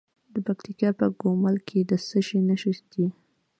د پکتیکا په ګومل کې د څه شي نښې دي؟